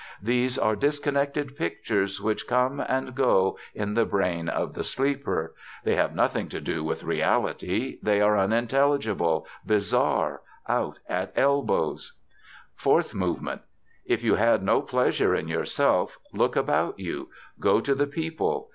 These are disconnected pictures which come and go in the brain of the sleeper. They have nothing to do with reality; they are unintelligible, bizarre, out at elbows. "Fourth movement. If you had no pleasure in yourself, look about you. Go to the people.